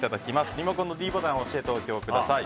リモコンのｄボタンを押して投票してください。